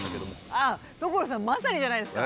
ああ所さんまさにじゃないですか。